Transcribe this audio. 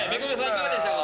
いかがでしたか？